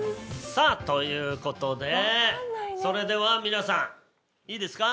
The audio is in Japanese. さあという事でそれでは皆さんいいですか？